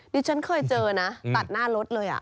ดิฉันเคยเจอนะตัดหน้ารถเลย